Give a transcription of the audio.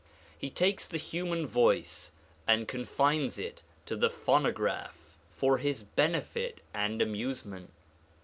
He takes the human voice and confines it in the phono graph for his benefit and amusement.